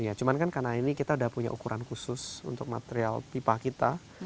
iya cuman kan karena ini kita udah punya ukuran khusus untuk material pipa kita